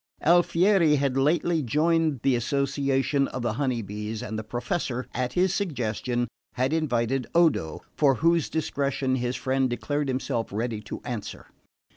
Alfieri had lately joined the association of the Honey Bees, and the Professor, at his suggestion, had invited Odo, for whose discretion his friend declared himself ready to answer.